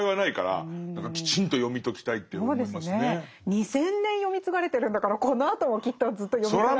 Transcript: ２，０００年読み継がれてるんだからこのあともきっとずっと読み継がれますよね。